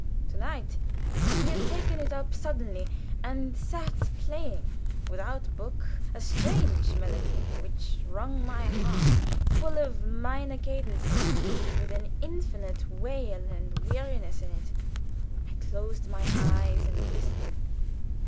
To night he had taken it up suddenly, and sat playing, without book, a strange melody which wrung my heart full of minor cadences, with an infinite wail and weariness in it. I closed my eyes and listened.